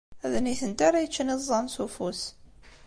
D nitenti ara yeččen iẓẓan s ufus.